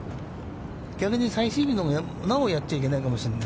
逆に、最終日のほうはなお、やっちゃいけないかもしれない。